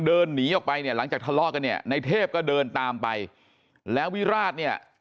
เดินหนีออกไปเนี่ยหลังจากทะเลาะกันเนี่ยในเทพก็เดินตามไปแล้ววิราชเนี่ย